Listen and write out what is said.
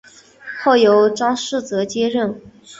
后由张世则接任。